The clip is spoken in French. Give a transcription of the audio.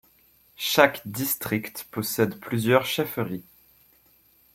Chaque district possède plusieurs chefferies.